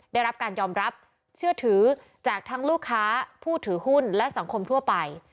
ได้รับการยอมรับเชื่อถือจากทั้งลูกค้าผู้ถือหุ้นและสังคมทั่วไป